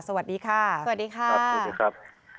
สวัสดีค่ะสวัสดีครับสวัสดีครับสวัสดีครับ